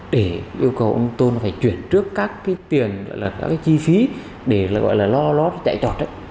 để yêu cầu ông tôn phải chuyển trước các cái tiền các cái chi phí để gọi là lo lo chạy trọt đấy